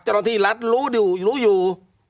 จนที่ลัทฯรู้อยู่